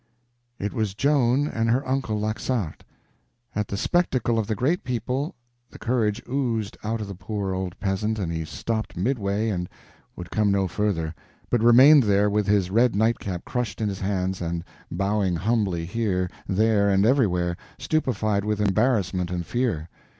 It was Joan and her uncle Laxart. At the spectacle of the great people the courage oozed out of the poor old peasant and he stopped midway and would come no further, but remained there with his red nightcap crushed in his hands and bowing humbly here, there, and everywhere, stupefied with embarrassment and fear.